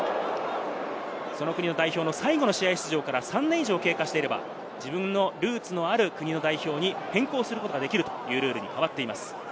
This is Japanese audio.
その国の代表の最後の試合出場から３年以上経過していれば、自分のルーツのある国の代表に変更することができるというルールに変わっています。